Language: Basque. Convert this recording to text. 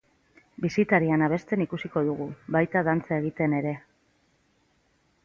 Bisitarian abesten ikusiko dugu, baita dantza egiten ere!